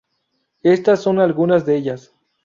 Estas son solo algunas de ellas.